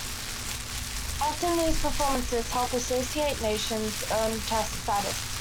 Often these performances help Associate nations earn Test Status.